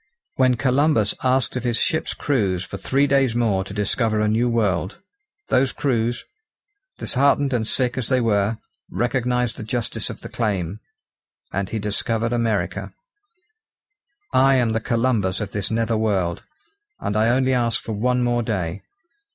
When Columbus asked of his ships' crews for three days more to discover a new world, those crews, disheartened and sick as they were, recognised the justice of the claim, and he discovered America. I am the Columbus of this nether world, and I only ask for one more day.